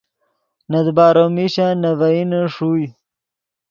نے دیبارو میشن نے ڤئینے ݰوئے